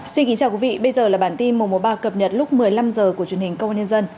xin kính chào quý vị bây giờ là bản tin một trăm một mươi ba cập nhật lúc một mươi năm h của truyền hình công an nhân dân